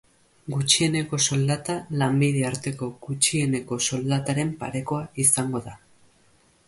Gutxieneko soldata lanbide arteko gutxieneko soldataren parekoa izango da.